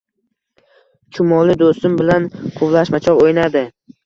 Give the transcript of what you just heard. Chumoli do’stim bilan quvlashmachoq o’ynadi